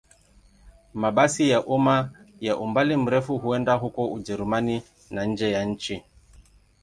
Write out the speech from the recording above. Mabasi ya umma ya umbali mrefu huenda huko Ujerumani na nje ya nchi.